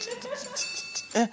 えっ？